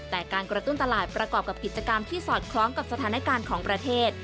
แต่การกระตุ้นตลาดประกอบกับกิจกรรมที่สอดคล้องกับสถานการณ์ของประเทศ